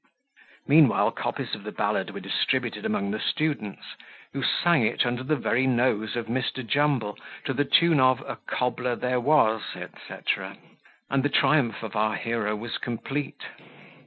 Meanwhile, copies of the ballad were distributed among the students, who sang it under the very nose of Mr. Jumble, to the tune of "A Cobbler there was" etc.; and the triumph of our hero was complete.